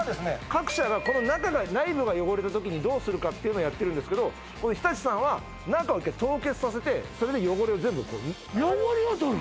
各社がこの中が内部が汚れた時にどうするかっていうのをやってるんですけど日立さんは中を一回凍結させてそれで汚れを全部取る汚れを取る？